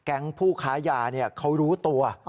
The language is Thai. ผู้ค้ายาเขารู้ตัว